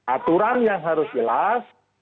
aturan yang harus jelas